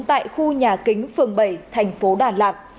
tại khu nhà kính phường bảy thành phố đà lạt